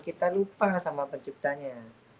kita lupa sama penciptanya